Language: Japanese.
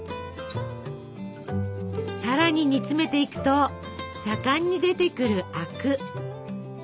さらに煮つめていくと盛んに出てくるあく。